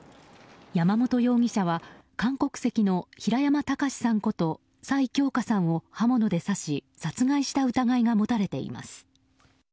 山本容疑者は韓国籍の平山喬司さんこと崔喬可さんを刃物で刺し殺害した疑いが持たれています。